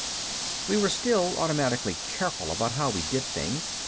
We were still automatically careful about how we did things.